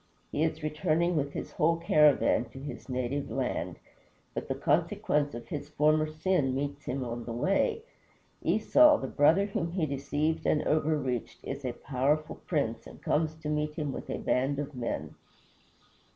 He is returning with his whole caravan to his native land. But the consequence of his former sin meets him on the way. Esau, the brother whom he deceived and overreached, is a powerful prince, and comes to meet him with a band of men.